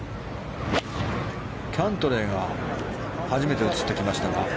キャントレーが初めて映ってきましたが。